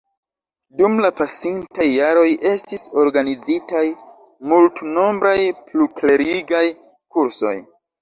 Dum la pasintaj jaroj estis organizitaj multnombraj pluklerigaj kursoj.